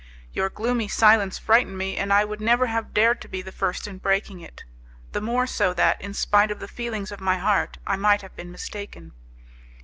Your gloomy silence frightened me, and I would never have dared to be the first in breaking it; the more so that, in spite of the feelings of my heart, I might have been mistaken.